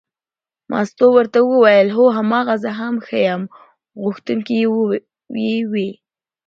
مستو ورته وویل هو هماغه زه هم ښیمه غوښتنې یې وې.